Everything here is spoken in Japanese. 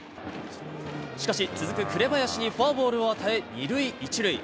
しかし続く紅林にフォアボールを与え、二塁一塁。